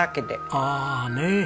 ああねえ。